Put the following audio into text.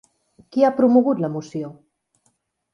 Qui ha promogut la moció?